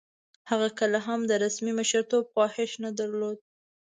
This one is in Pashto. هغه کله هم د رسمي مشرتوب خواهیش نه درلود.